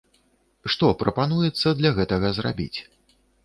Што прапануецца для гэтага зрабіць?